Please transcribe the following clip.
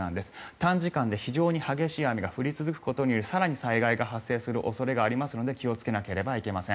短時間で非常に激しい雨が降り続くことにより更に災害が発生する恐れがありますので気をつけなければなりません。